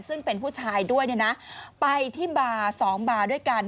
ซึ่งเป็นผู้ชายด้วยเนี่ยนะไปที่บาร์๒บาร์ด้วยกัน